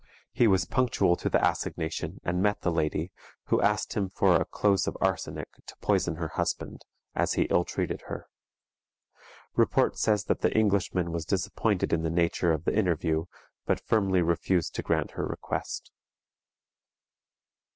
He was punctual to the assignation, and met the lady, who asked him for a close of arsenic to poison her husband, as he ill treated her. Report says that the Englishman was disappointed in the nature of the interview, but firmly refused to grant her request.